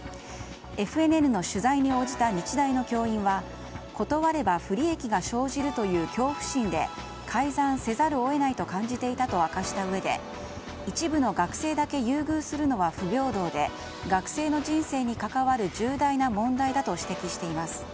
ＦＮＮの取材に応じた日大の教員は断れば不利益が生じるという恐怖心で改ざんせざるを得ないと感じていたと明かしたうえで一部の学生だけ優遇するのは不平等で学生の人生に関わる重大な問題だと指摘しています。